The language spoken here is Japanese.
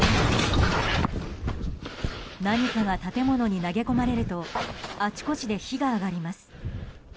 何かが建物に投げ込まれるとあちこちで火が上がります。